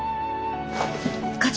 課長。